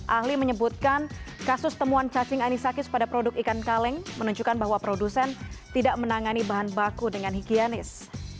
ahli menyebutkan kasus temuan cacing anisakis pada produk ikan kaleng menunjukkan bahwa produsen tidak menangani bahan baku dengan higienis